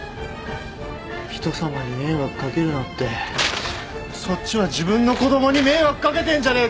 人様に迷惑かけるなってそっちは自分の子供に迷惑かけてんじゃねえか！